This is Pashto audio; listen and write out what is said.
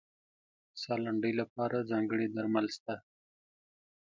د ساه لنډۍ لپاره ځانګړي درمل شته.